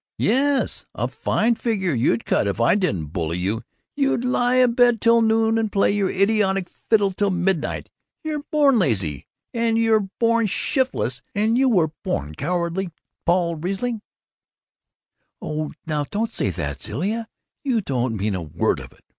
"Yes, a fine figure you'd cut if I didn't bully you! You'd lie abed till noon and play your idiotic fiddle till midnight! You're born lazy, and you're born shiftless, and you're born cowardly, Paul Riesling " "Oh, now, don't say that, Zilla; you don't mean a word of it!"